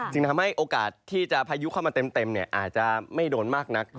ทำให้โอกาสที่จะพายุเข้ามาเต็มอาจจะไม่โดนมากนัก